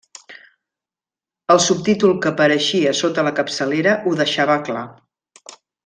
El subtítol que apareixia sota la capçalera ho deixava clar: